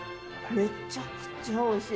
めちゃくちゃおいしい。